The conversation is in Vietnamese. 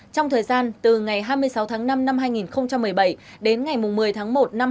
trong thời gian từ ngày hai mươi sáu tháng năm năm hai nghìn một mươi bảy đến ngày một mươi tháng một năm hai nghìn một mươi chín